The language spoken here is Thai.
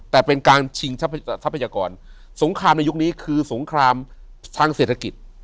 แต่เป็นการชิงทรัพยากรสงครามในยุคนี้คือสงครามทางเศรษฐกิจ